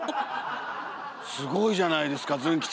すごいじゃないですかズン吉！